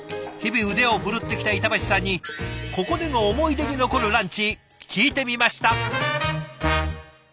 日々腕を振るってきた板橋さんにここでの思い出に残るランチ聞いてみました。